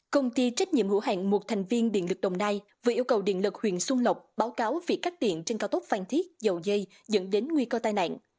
công ty trách nhiệm hữu hạng một thành viên điện lực đồng nai vừa yêu cầu điện lực huyện xuân lộc báo cáo việc cắt điện trên cao tốc phan thiết dầu dây dẫn đến nguy cơ tai nạn